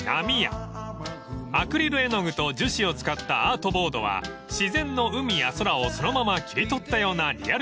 ［アクリル絵の具と樹脂を使ったアートボードは自然の海や空をそのまま切り取ったようなリアル感があり